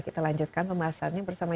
kita lanjutkan pembahasannya bersama